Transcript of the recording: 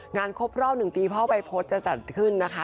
งานครบรอบ๑ปีพ่อวัยพฤษจะจัดขึ้นนะคะ